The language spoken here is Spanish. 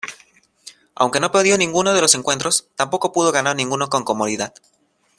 Aunque no perdió ninguno de los encuentros, tampoco pudo ganar ninguno con comodidad.